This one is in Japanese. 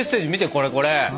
これこれ。